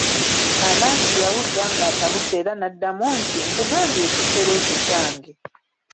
Anansi yawulira ng'atabuse, era n'addamu nti, nkugambye ekisero ekyo kyange.